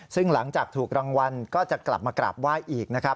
ซึ่งหลังจากถูกรางวัลก็จะกลับมากราบไหว้อีกนะครับ